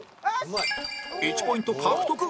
１ポイント獲得！